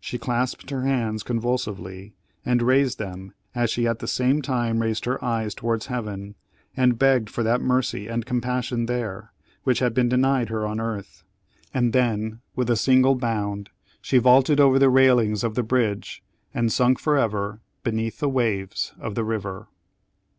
She clasped her hands convulsively, and raised them, as she at the same time raised her eyes towards heaven, and begged for that mercy and compassion there, which had been denied her on earth; and then, with a single bound, she vaulted over the railings of the bridge, and sunk for ever beneath the waves of the river!